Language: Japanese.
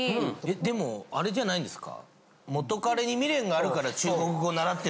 でもあれじゃないんですか？